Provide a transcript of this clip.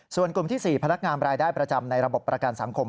ส่วนกลุ่มที่๔พนักงานรายได้ประจำในระบบประกันสังคม